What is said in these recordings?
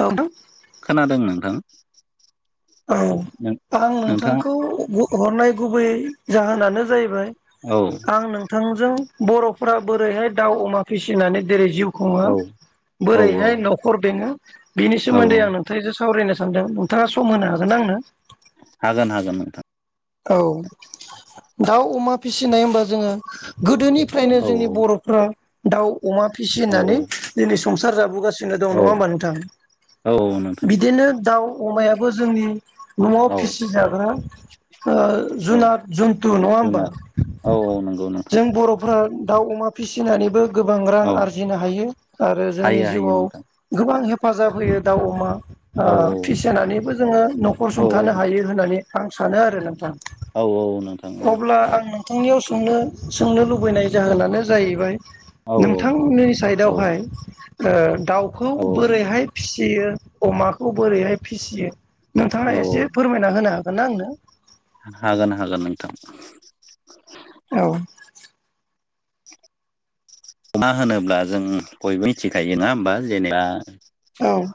औ खोनादों नोंथां औ आं नोंथां नोंथांखौ हरनाय गुबै जाहोनानो जाहैबाय औ आं नोंथांजों बर'फोरा बोरैहाय दाउ अमा फिसिनानै जेरै जिउ खुंङो औ औ बोरैहाय औ न'खर बेङो बिनि औ सोमोन्दै आं नोंथांजों सावरायनो सानदों नोंथाङा सम होनो हागोन आंनो हागोन हागोन नोंथां औ दाउ अमा फिसिनाय होमबा जोङो गोदोनि फ्रायनो औ जोंनि बर'फ्रा दाउ अमा औ फिसिनानै दिनै संसार जाबोगासिनो दं औ नङा होमबा नोंथां औ नोंथां बिदिनो दाउ अमायाबो जोंनि न'आव औ फिसि जाग्रा ओ औ जुनाद जुन्थु नङा होमबा जुनार औ औ नंगौ नोंथां जों बर'फ्रा दाउ अमा फिसिनानैबो गोबां रां औ आरजिनो हायो आरो जोंनि हायो हायो जिउआव नोंथां गोबां हेफाजाब होयो दाउ अमा ओ औ औ फिसिनानैबो जोङो न'खर औ सुंथानो हायो होननानै आं सानो सानो आरो नोंथां औ औ नोंथां औ अब्ला आं नोंथांनियाव सोंनो सोंनो लुबैनाय जाहोनानो जाहैबाय औ नोंथांनि औ साइडावहाय ओ दाउखौ औ बोरैहाय फिसि फियो अमाखौ बोरैहाय फिसियो नोंथाङा औ एसे फोरमायना होनो हागोन नाआंनो हागोन हागोन नोंथां औ होनोब्ला जों बयबो मिथिखायो ना होमबा जेनेबा औ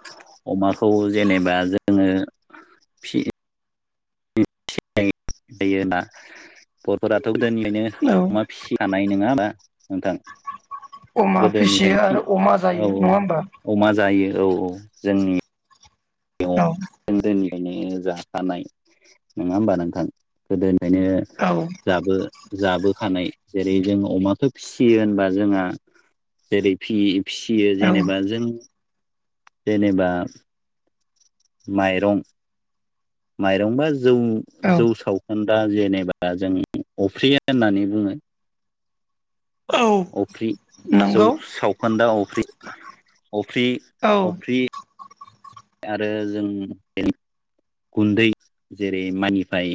अमाखौ जेनेबा जोङो फि यो ना बर'फोराथ' गोदोनिफ्रायायनो औ अमा फिसिखानाय नङा होमबा नोंथां अमा फिसियो गोदोनिफ्रायनो फि आरो अमा औ जायो नङा होमबा अमा जायो औ जोंनि औ गोदोनिफ्रायनो जाखानाय नङा होमबा नोंथां गोदोनि ओंखायनो औ जाबो जाबोखानाय जेरै जों अमाथ' फिसियो होनबा जोंहा जेरै फि फिसियो औ जेनेबा जों जेनेबा माइरं माइरंबा जौ औ जौ सावखोन दा जेनेबा जों अफ्रिय होननानै बुङो औ अफ्रि जौ नंगौ सावखोन्दा अफ्रि अफ्रि औ अफ्रि आरो जों गुन्दै जेरै माइानिफ्राय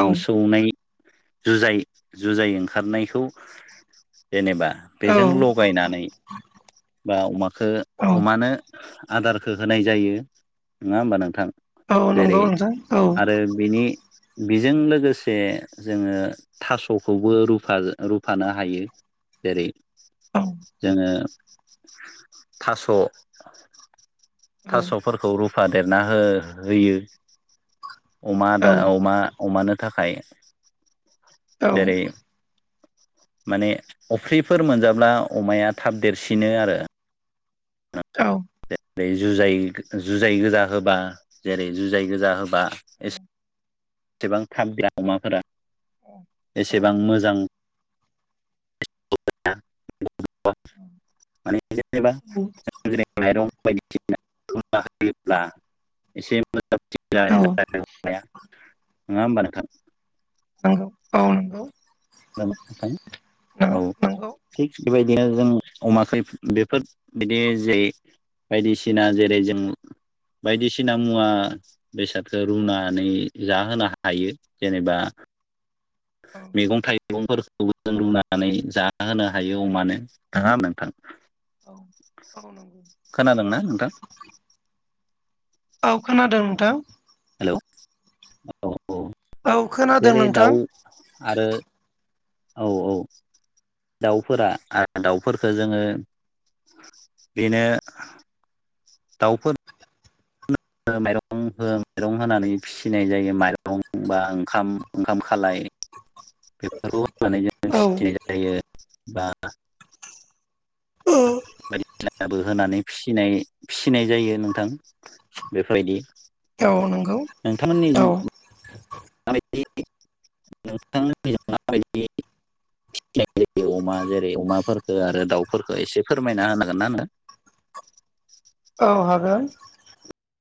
औ सौनाय जुजाय जुजाय ओंखारनायखौ जेनेबा औ बेजों लगायनानै बा अमखौ औ अमानो आदारखौ होनाय जायो नङा होमबा नोंथां? औ जेरै नंगौ नोंथां औ आरो बेनि बेजों लोगोसे जोङो थास'खौबो रुफा रुफानो हायो। जेरै औ जोङो थास' औ थास'फोरखौ रुफा देरना हो-होयो। अमा आदा औ अमा अमानो थाखाय औ जेरै माने अफ्रिफोर मोनजाब्ला अमाया थाब देरसिनो आरो औ बेै जुजाय जुजाय गोजा होबा जेरै जुजाय गोजा होबा एसे एसेबां थाब देरा अमाफोरा एसेबां मोजां [inaudible] माने जेनेबा माइरं बायदिसिना [unintelligible] होयोब्ला एसे मोजां [inaudible] नङा होनबा नोंथां? नंगौ औ नंगौ औ नंगौ बेबायदिनो जों अमाखै बेफोर बिदि जे बायदिसिना जेरै जों बायदिसिना मुवा बेसादखौ रुनानै जाहोनो हायो जेनेबा औ मैगं थाइ मैगंफोरखौ जों रुनानै जाहोनो हायो अमानो नङा नोंथां औ औ नंगौ खोनादोंना नोंथां? औ खोनादों नोंथां। हेलौ औ औ औ खोनादों जेरै नोंथां दाउ आरो औ औ दाउफोरा आ दाउफोरखौ जोङो बेनो दाउफोर माइरं हो माइरं होनानै फिसिनाय जायो माइरं बा ओंखाम ओंखाम खालाय बेफोरखौ होनानै जों औ फिसिनाय जायो बा बायदिसिबो होनानै फिनाय फिसिनाय जायो नोंथां बेफोरबायदि औ नंगौ नोंथांमोननि औ [inaudible] अमा जेरै अमाफोरखौ आरो दाउफोरखो एसे फोरमायना होनो हागोन नो [inaudible] औ हागोन